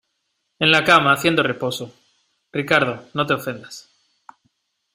en la cama haciendo reposo. Ricardo, no te ofendas ,